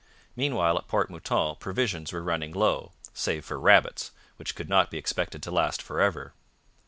Meanwhile, at Port Mouton provisions were running low, save for rabbits, which could not be expected to last for ever.